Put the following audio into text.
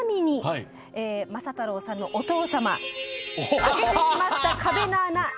雅太郎さんのお父様空けてしまった壁の穴